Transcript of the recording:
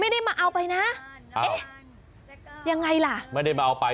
ไม่ได้มาเอาไปนะเอ๊ะยังไงล่ะไม่ได้มาเอาไป